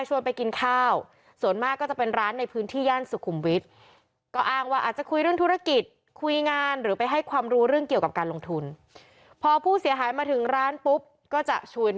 กินข้าวส่วนมากก็จะเป็นร้านในพื้นที่ย่านสุขุมวิทย์ก็อ้างว่าอาจจะคุยเรื่องธุรกิจคุยงานหรือไปให้ความรู้เรื่องเกี่ยวกับการลงทุนพอผู้เสียหายมาถึงร้านปุ๊บก็จะชวน